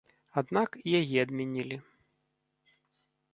Аднак і яе адмянілі.